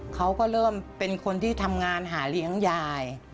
เขาก็เริ่มเป็นคนที่ทำงานหาเลี้ยงยาย